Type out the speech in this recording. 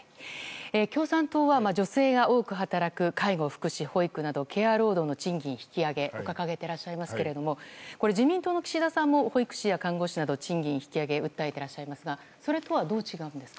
共産党は女性が多く働く介護、福祉、保育などケア労働の賃金引き上げを掲げてらっしゃいますが自民党の岸田さんも保育士や看護師の賃金引き上げを訴えてらっしゃいますがそれとはどう違いますか。